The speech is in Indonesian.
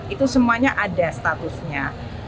itu semuanya ada statusnya